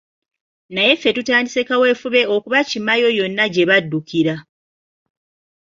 Naye ffe tutandise kaweefube okubakimayo yonna gye baddukira.